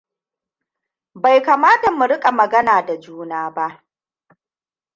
Bai kamata mu rika magana da juna ba.